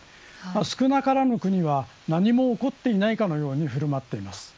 少なからぬ国は何も起こっていないかのように振る舞っています。